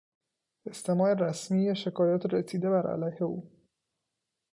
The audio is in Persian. استماع رسمی شکایات رسیده بر علیه او